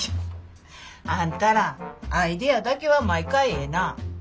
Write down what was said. あんたらアイデアだけは毎回ええなぁ。